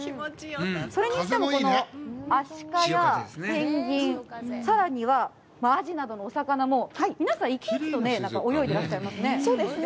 それにしても、このアシカやペンギン、さらには、アジなどのお魚も、皆さん生き生きと泳いでいらっしゃいますよね。